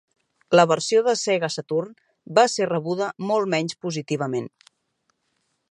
La versió de Sega Saturn va ser rebuda molt menys positivament.